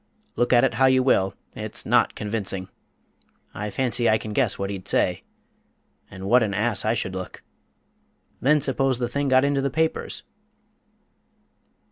Look at it how you will, it's not convincing. I fancy I can guess what he'd say. And what an ass I should look! Then suppose the thing got into the papers?"